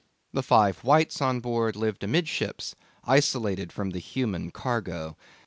The five whites on board lived amidships, isolated from the human cargo.